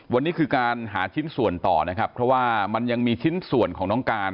วันนี้คือการหาชิ้นส่วนต่อนะครับเพราะว่ามันยังมีชิ้นส่วนของน้องการ